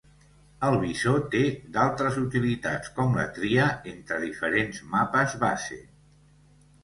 El visor té d'altres utilitats com la tria entre diferents mapes base.